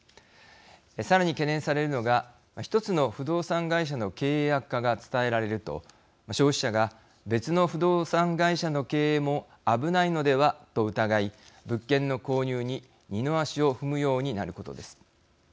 さらに懸念されるのが１つの不動産会社の経営悪化が伝えられると消費者が別の不動産会社の経営も危ないのではと疑い物件の購入に二の足を踏むようになることです。